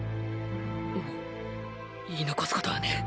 もう言い残すことはねぇ。！